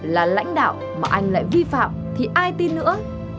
là lãnh đạo mà anh lại vi phạm thì ai tin nữa